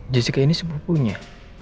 jessica ini sepupunya